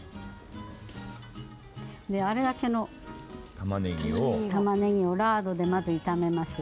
あれだけのたまねぎをラードでまず炒めます。